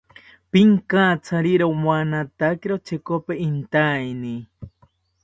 Pinkatsari romanatakiro chekopi intaeni